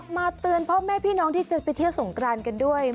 มาเตือนพ่อแม่พี่น้องที่จะไปเที่ยวสงกรานกันด้วย